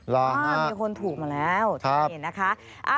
รางวัลมีคนถูกมาแล้วทุกคนเห็นนะคะ